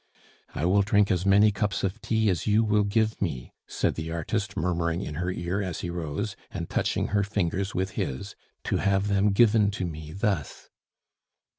"I will drink as many cups of tea as you will give me," said the artist, murmuring in her ear as he rose, and touching her fingers with his, "to have them given to me thus!"